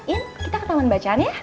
in kita ke taman bacaan ya